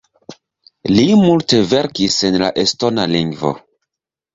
Li multe verkis en la estona lingvo.